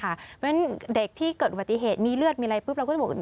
เพราะฉะนั้นเด็กที่เกิดอุบัติเหตุมีเลือดมีอะไรปุ๊บเราก็จะบอก